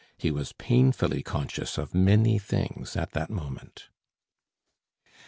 He was painfully conscious of many things at that moment.